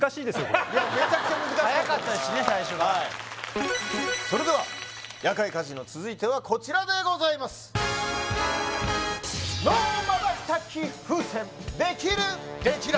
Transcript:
めちゃくちゃ難しいです早かったですしね最初がそれでは夜会カジノ続いてはこちらでございますＮＯまばたき風船？